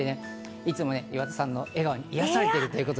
いつも岩田さんの笑顔に癒やされているということ。